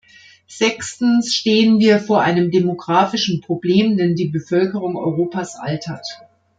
Sechstens stehen wir vor einem demografischen Problem, denn die Bevölkerung Europas altert.